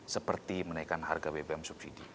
seperti menaikkan harga bbm subsidi